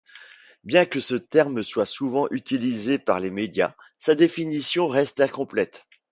Bien que ce terme soit souvent utilisé par les médias, sa définition reste incomplète.